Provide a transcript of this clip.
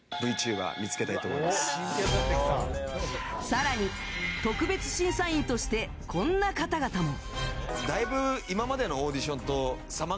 更に、特別審査員としてこんな方々も。